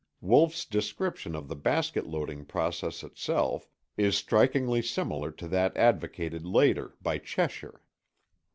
Wolff's description of the basket loading process itself is strikingly similar to that advocated later by Cheshire.